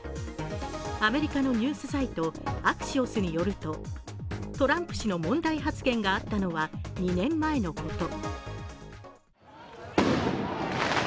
アメリカのニュースサイトアクシオスによるとトランプ氏の問題発言があったのは２年前のこと。